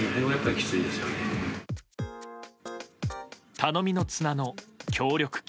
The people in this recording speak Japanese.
頼みの綱の協力金。